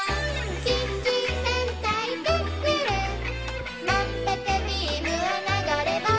「キッチン戦隊クックルン」「まんぷくビームは流れ星」